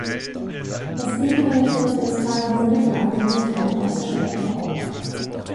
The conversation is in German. Das Innere der Kirche ist teilweise mittelalterlich, teilweise spätbarock.